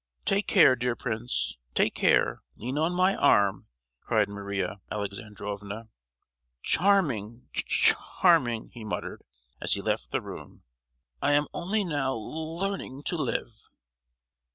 "Take care, dear Prince—take care! lean on my arm!" cried Maria Alexandrovna. "Charming, ch—arming!" he muttered, as he left the room. "I am only now le—learning to live!"